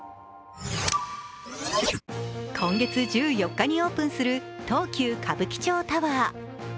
今月１４日にオープンする東急歌舞伎町タワー。